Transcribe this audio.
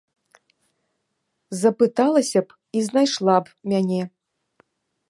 Запыталася б і знайшла б мяне.